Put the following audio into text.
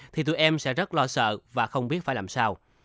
thì tụi em sẽ rất lo sợ và không biết phải làm sao